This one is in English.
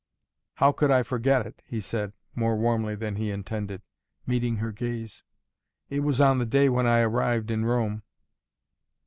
"How could I forget it?" he said, more warmly than he intended, meeting her gaze. "It was on the day when I arrived in Rome."